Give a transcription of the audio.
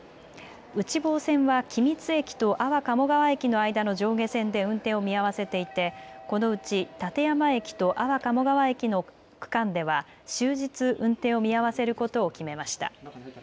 内房線は君津駅と安房鴨川駅の間の上下線で運転を見合わせていて、このうち館山駅と安房鴨川駅の区間では終日運転を見合わせることを決めました。